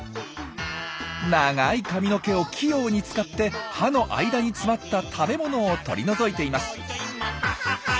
長い髪の毛を器用に使って歯の間に詰まった食べ物を取り除いています。